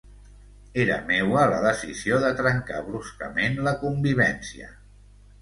Era meua la decisió de trencar bruscament la convivència.